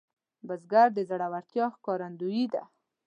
بزګر د زړورتیا ښکارندوی دی